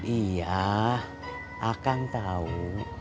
iya akan tahu